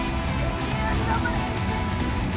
頑張れ！